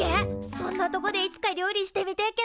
そんなとこでいつか料理してみてえけっ